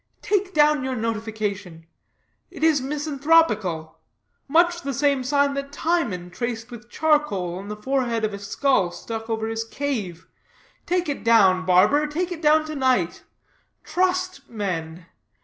Take down your notification; it is misanthropical; much the same sign that Timon traced with charcoal on the forehead of a skull stuck over his cave. Take it down, barber; take it down to night. Trust men.